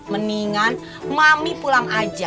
mendingan mami pulang aja